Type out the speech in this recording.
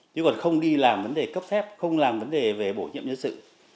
chứ còn không đi làm vấn đề cấp phép không làm vấn đề về bổ nhiệm nhân sự